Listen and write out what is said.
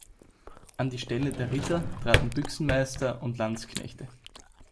An die Stelle der Ritter traten Büchsenmeister und Landsknechte.